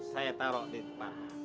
saya taruh di depan